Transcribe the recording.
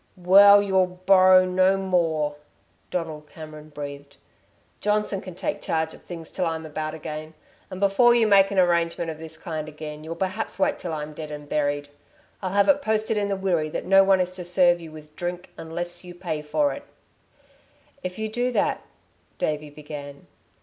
"Well, you'll borrow no more," Donald Cameron breathed. "Johnson can take charge of things till I'm about again. And before you make an arrangement of this kind again you'll perhaps wait till I'm dead and buried. I'll have it posted in the Wirree that no one is to serve you with drink unless you pay for it." "If you do that " Davey began.